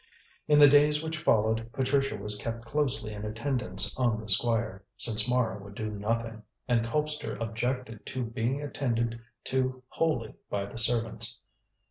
In the days which followed Patricia was kept closely in attendance on the Squire, since Mara would do nothing, and Colpster objected to being attended to wholly by the servants.